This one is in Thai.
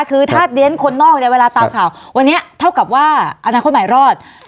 คือถ้าเรียนคนนอกเนี่ยเวลาตามข่าววันนี้เท่ากับว่าอนาคตใหม่รอด